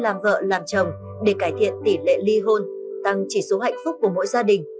làm chồng để cải thiện tỷ lệ ly hôn tăng chỉ số hạnh phúc của mỗi gia đình